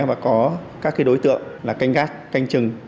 và có các đối tượng canh gác canh trừng